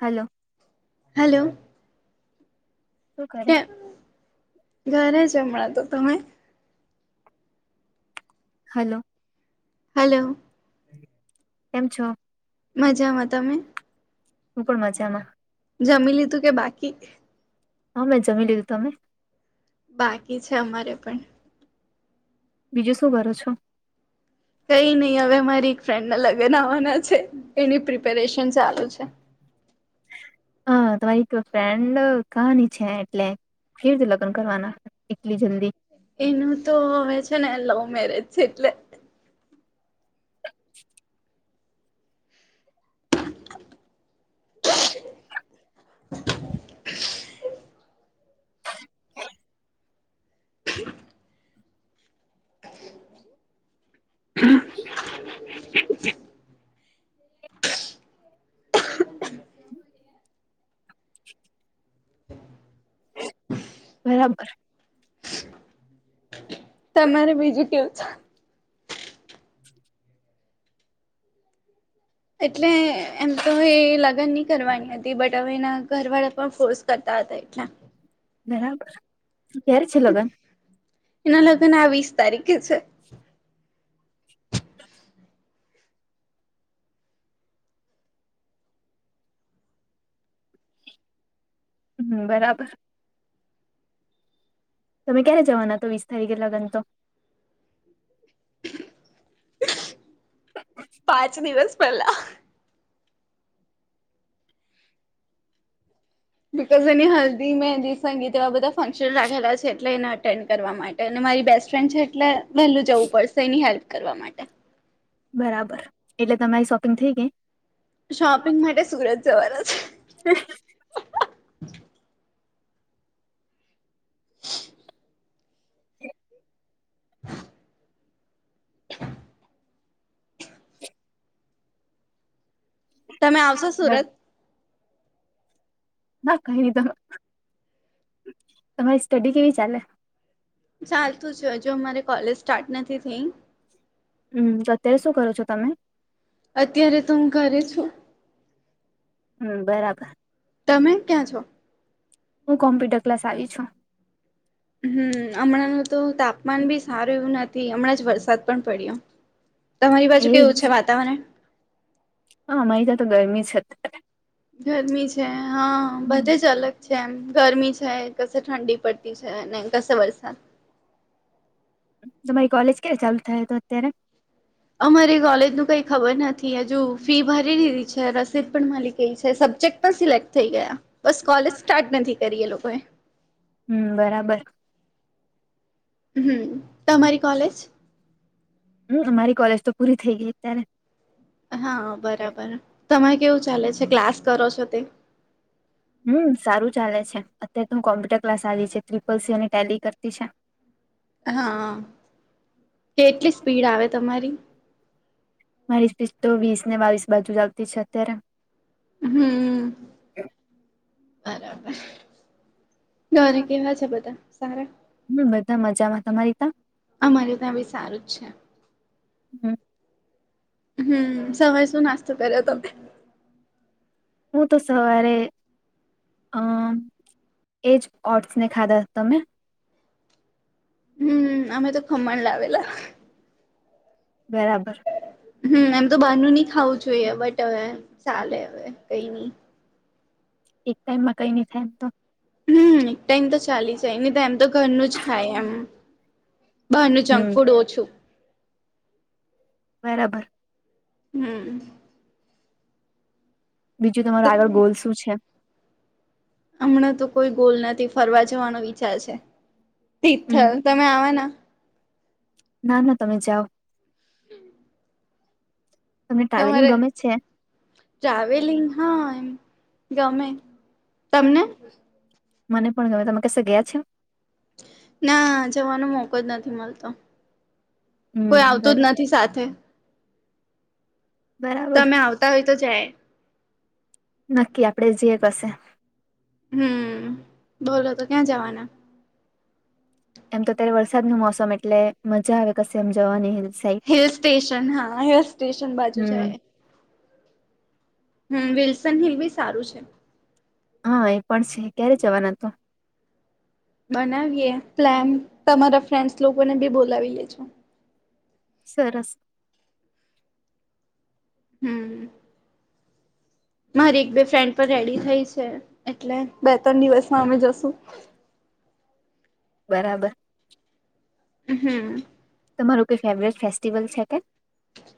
Hello hello શું કરે કે ઘરે જ હમણાં તો તમે? હલો. હેલો. કેમ છો? મજામાં તમે? હું પણ મજામાં. જમીલીધુ કે બાકી? હા મેં જમી લીધું તમે? બાકી છે અમારે પણ. બીજું શું કરો છો? ફ્રેન્ડના લગન આવવાના છે એની પ્રિપે પેરેશન ચાલુ છે. હા તમારી તો ફ્રેન્ડ કાની છે એટલે કેવી રીતે લગન કરવાના એટલી જલદી? એનું તો હવે છે ને લવ મેરેજ એટલે. [unintelligible] હા [unintelligible] હ [unintelligible] અહં [unintelligible] હ [unintelligible] બરાબર. તમારે બીજું કેવ છે? [unintelligible] એટલે એમ તો એ લગન નહી કરવાની હતી બટ હવે એના ઘર વાળા પણ ફોર્સ કરતા હતા એટલા. બરાબર. ક્યારે છે લગ્ન એના લગ્ન આ વીસ તારીખે છે. હમ બરાબર. તમે ક્યારે જવાના તો વીસ તારીખે લગન તો? પાંચ દિવસ પહેલા અહ. બીકઝ એની હલ્દી મેહંદી સંગીત એવા બધા ફંક્શન રાખેલા છે એટલે એને અટેન્ડ કરવા માટે ન મારી બેસ્ટ ફ્રેન્ડ છે એટલે વહેલું જવું પડશે એની હેલ્પ કરવા માટે. બરાબર એટલે તમારી શોપિંગ થઈ ગઈ? શોપિંગ માટે સુરત જવાના છે. [unintelligible] હ. તમે આવશો સુરત? ના કઈ [unintelligible] તમારી સ્ટડી કેવી ચાલે? ચાલતું છે હજુ અમારે કોલેજ સ્ટાર્ટ નથી થઈ. હમ અત્યારે શું કરો છો તમે? અત્યારે તો હું ઘરે છું. હમ બરાબર. તમે ક્યાં છો? હું કોમ્પ્યુટર ક્લાસ આવી છું. હમ હમણાં ન તો તાપમાન બી સારું એવું નથ થી હમણાં જ વરસાદ પણ પડ્યો. તમારી બાજુ કેવું છે વાતાવરણ? હ અમારે ત્યાં તો ગરમી છે અત્યારે. ગરમી છે હા બધે જ અલગ જેમ ગરમી છે કશે ઠંડી પડતી છે અને કશે વરસાદ. તમારી કોલેજ ક્યારે ચાલુ થાય તો અત્યારે? અમારી કોલેજ નું કઈ ખબર નથી હજુ ફી ભરી દીધી છે રસીદ પણ મલી ગઈ છે સબ સજેક પણ સિલેક્ટ થઈ ગયા બસ કોલેજ સ્ટાર્ટ નથી કરી એ લોકોએ. હમ બરાબર હમ તમારી કોલેજ હમ અમારી કોલેજ તો પૂરી થઈ ગઈ અત્યારે હા બરાબર તમારે કેવું ચાલે છે ક્લાસ કરો છો તે હમ સારું ચાલે છે અત્યારે તો હ કોમ્પ્યુટર ક્લાસ આવી છે ટ્રિપલ સી અને ટેલી કરતી છે હા કેટલી સ્પીડ આવે તમારી મારી જ બીચ તો વીસ ને બાવીસ બાજુ જ આવતી છે અત્યારે હમ બરાબર ઘરે કેવા છે બધા સારા હમ બધા મજામાં તમારી ત્યા અમારે ત્યાં બી સારું જ છે હમ હમ સવાય શું નાસ્તો પ્યારે તમે હું તો સવારે અમ એજ ઓટસ ને ખાધા તમે હમ અમે તો ખમણ લાવેલા બરાબર હમ એમ તો બહારનું નહી ખાવું જોઈએ બટ હવે ચાલે હવે કઈ નઈ એક ટાઈમમાં કઈ નહી થાય એમ તો હમ એક ટાાઈમ તો ચાલી જાય નને તો એમ તો ઘરનું જ ખાય એમ બહાર નું જંક હમ ફૂડ ઓછું બરાબર હમ બીજું તમારો તો આગળ ગોલ શું છે હમણાં તો કોઈ ગોલ નથી ફરવા જવાનો વિચાર છે તિથલ તમે આવે ના ના તમે જાઓ હમ તમને ટ્રાવેલિંગ તમારે ગમે છે ટ્રાવેલિંગ હા એમ ગમે તમને મને પણ ગમે તમે કસે ગયા છે ના જવાનો મોકો જ નથી મળતો કોઈ હમ આવતું જ બરા- નથી સાથે બરાબર તમે આવતા હોય તો જાય નક્કી આપડે જે કશે હમ બોલો તો ક્યાં જવાના એમ તો અત્યારે વરસાદ નું મોસમ એટલે મજા આવે કશે એમ જવાની સાઈડ હિલ સ્ટેશન હા હિલ સ્ટેશન બાજુ હમ જાય હમ વિલ્સન હિલ બી સારું છે હા એ પણ છે ક્યારે જવાના તો બનાવીએ પ્લાન તમારા ફ્રેન્ડસ લોકોને બી બોલાવી લે છો સરસ હમ મારી એક બે ફ્રેન્ડ પણ રેડી થઈ છે એટલે બે ત્રણ દિવસમાં અમે જશુ બરાબર હમ તમારું કઈ ફેવરેટ ફેસ્ટિવલ છે કે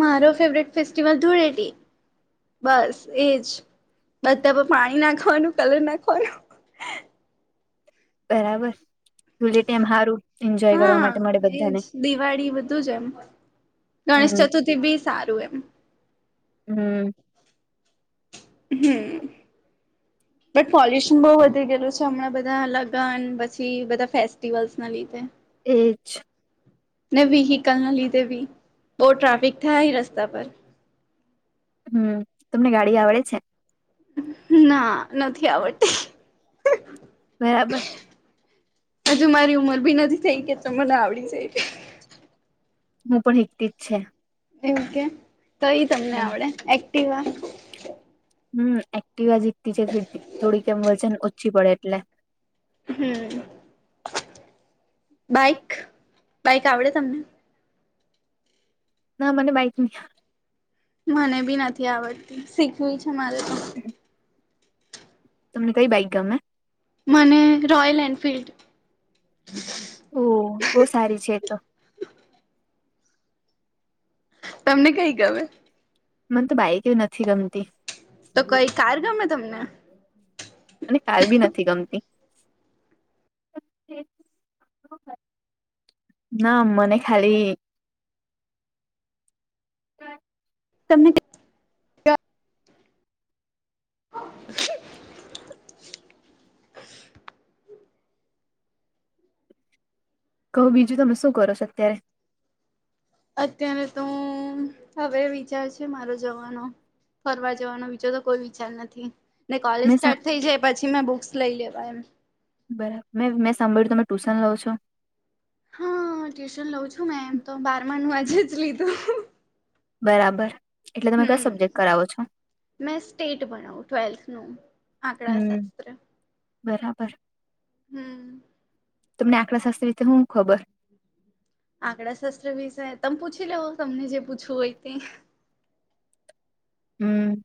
મારો ફેવરેટ ફેસ્ટિવલ ધૂળેટી બસ એજ બધા પર પાણી નાખ ખવાનું કલે ના ખવાનું બરાબર જે ટમ સારું એન્જોય કરવા હા માટે મળે એજ બધાને દિવાળી બધું જ એમ ગણેશ હમ ચતુર્થી બી સારું એમ હમ હમ બટ પોલ્યુશન બહુ વધી ગયેલું છે હમણાં બધા લગન પછી બધા ફેસ્ટિવલ્સ ના લીધે એજ વીીહી કલના લીધેવી બહ ટ્રાફિક થ રસ્તા પર હમ તમને ગાડી આવડે છે ના નથી આવડતી બરાબર હજુ મારી ઉમર ભી નથી થઈ કે તો મને આવડી જાય હું પણ એકથી જ છે એકે તો તમને હમ આવડે એક્ટવા હમ એક્ટવા આ જીતતી છે થોડીકમ બોલશે ને ઓછી પડે એટલે હમ બાઇક બાઈક આવડે તમને ના મને બાઈકની મને બી નથી આવડતી શીખવી છે મારે તો હમ તમને કઈ બાઈક ગમે મને રોયલ એનફિલ્ડ ઓ બહ સારી છે તો તમને કઈ ગમે મને તો બાઈક એવી નથી ગમતી તો કઈ કાર ગમે તમને અને કઈ બી નથી ગમતી તેવીસ અક્ટબર ના મને ખલી તમને [unintelligible] કહું બીજું તમે શું કરો છો અત્યારે અત્યારે તો હવે વિચાર છે મારો જવાનો ફરવા જવાનો વિીચાર તો કોઈ વિચાર નથી ને કોલેજ મેં સ્ટાર્ટ થઈ જાય પછી મેં બુક્સ લઈ લેવા એમ બરાબર મે મેં સાંભળ્યું તમે ટ્યુશન લાવ છો હા ટ્યુશન લઉ છું મેમ તો બારમા નું આજે જ લીધું બરાબર એટલે તમે કઈ હમ સબ્જેક્ટ કરાવો છો મેં સ્ટેટ બણું ટ્વેલ્થનું આંકડા હમ શાસ્ત્ર બરાબર હમ તમને આંકડા શાસ્ત્ર રીતે હું ખબર આંકડા શસ્ત્ર વિષ તમે પૂછી લવ તમને જે પૂછવું હોય તે [unintelligible] હમ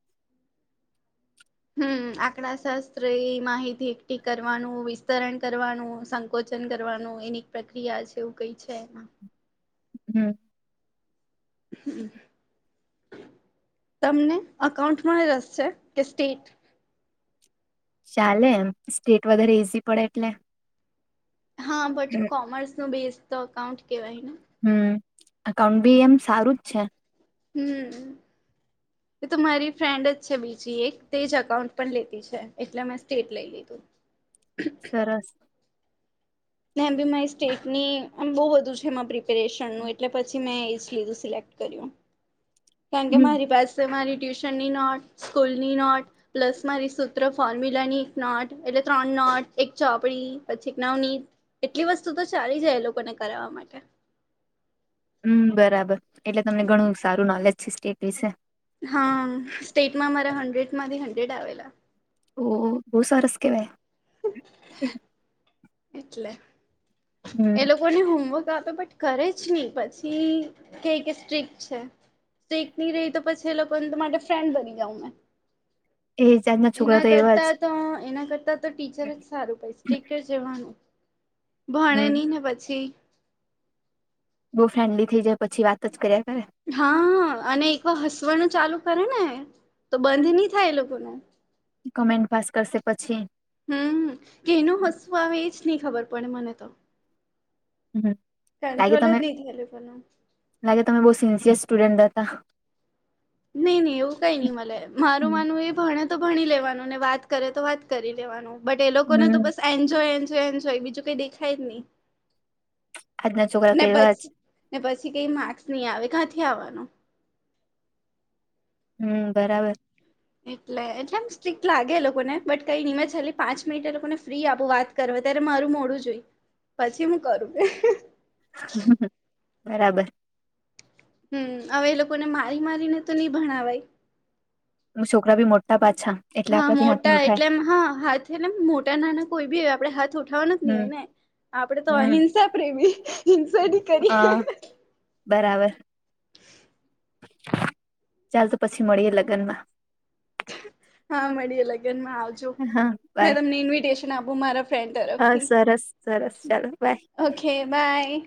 હમ આકડા શાસ્ત્ર માહિતી એકઠી કરવાનું વિસ્તરણ કરવાનું સંકોચ કરવાનું એની પ્રક્રિયા છે એવું કઈ છે એમાં હમ હમ તમને અકાઉન્ટમાં રસ છે કે સ્ટેટ ચાલે એમ સ્ટેટ વધારે ઈઝી પડે એટલે હા બટ કોમર્સ નો બેઝ તો અકાઉન્ટ કેવાય ને હમ અાઉન્ટ બી એમ સારું જ છે હમ એ તો મારી ફ્રેન્ડ જ છે બીજી એક તે જ અકાઉન્ટ પણ લેતી છે એટલે મેં સ્ટેટ લઈ લીધું [unintelligible] [inaudible] સરસ મેમ બી મા સ્ટેટની બહુ બધું છે એ પ્રિપેરેશનનુંું એટલે પછી મેં એ જ લીધું સિલેક્ટ કારણ કે હમ મારી પાસે મારી ટ્યુશનની નોટ સ્કૂલની નોટ પ્લસ મારી સૂત્ર ફોર્મ્યુલાની એક નોટ એટલે ત્રણટ એક ચોપડી પછી એક નવની એટલી વસ્તુ તો ચાલી જાય એ લોકોને કરાવવા માટે [unintelligible] હમ બરાબર એટલે તમને ઘણું સારું નોલેજ છે સ્ટેટ વિશે હા સ્ટેટમાં મામારા હન્ડ્રેડમાંથી હન્ડ્રેડ આવેલા ઓ બહુ સરસ કેવાય એટલે એ હમ લોકોની હોમવર્ક આપે બટ ઘરે જ નહી પછી ક કે સ્ટ્રીક છે સ્ટ્રીક નહી રહી તો પછી એલોકોને માટે ફ્રેન્ડ બની જાવ મેં એ જાતના છોકરા એના તો એવા જ કરતા તો એના કરતા તો ટીચર જ સારું પ સ્ટીકર જવાનું હમ ભણે ને પછી બહુ ફ્રેન્ડલી થઈ જાય પછી વાત જ કરીે હા અને એક વાર હસવાનુ ચાલુ કરે ને તો બંધ નહી થાય એ લોકોને કોમેન્ટ પાસ કરશે પછી હમ શેનું હસવું આવે એજ નહી ખબર પડે મને તો હ લાગે કંટ્રોલ જ તમે નહી થાય એ લોકોનું લાગે તમે બહ સિન્સિયર સ્ટુડન્ટ હતા નઈ નહી એવું કઈ નઈ મારું હમ માનવું એ ભણ ભણી લેવાનું ને વાત કરે તો વાત કરી લેવાનું બટ એ લોકોને તો બસ એન્જોય એ નય બીજું કઈ દેખાય જ નહી આજના છોકરા તો ને એવા જ પછી ને પછી કઈ માકર્સ નહી આવે કાથી આવવાનો હમ બરાબર એટલે એટલેમ સ્ટ્રક્ટ લાગે લોકોને બટ કઈ નિનીમ હલી પાંચ મિનટ એ લોકોને ફ્રી આપું વાત કરવા અત્યારે મારું મોડું જોઈ પછી હું કરું હ બરાબર હમ હવે એ લોકોને મારી મારીને તો નહી ભણવાય છોકરા ભ મોટા પા હા મોટા એટલે એમ હા હાથને મોટા નાના કોઈ બી હોય આપડણે હાથ ઉઠાવવાના જ નહી હમ હોય ને આપડે તો હમ અહિંસા પ્રેમી હિંસાની કરીએ હા બરાબર ચાલ તો પછી મળીએે લગ્ન માં હા મળીએે લગનમાં આવજો હા મે બાય તમને ઇન્વિટેશન આપું મારા ફડ હા તરફથી સરસ સરસ ચાલો બાય ઓકે બાય